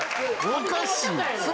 おかしい。